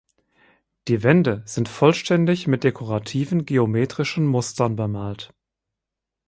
Die Wände sind vollständig mit dekorativen geometrischen Mustern bemalt.